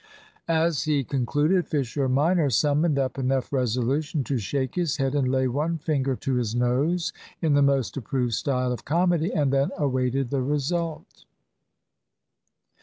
As he concluded, Fisher minor summoned up enough resolution to shake his head and lay one finger to his nose in the most approved style of comedy, and then awaited the result.